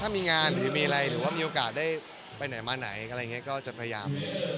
ก็ถ้ามีงานหรือมีอะไรหรือว่ามีโอกาสได้ไปไหนมาไหนก็จะพยายาม